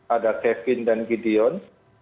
ada kevin dan gideon